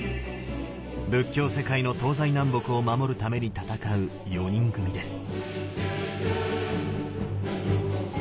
仏教世界の東西南北を守るために戦う４人組です。